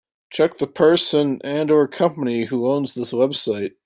Check the person and/or company who owns this website.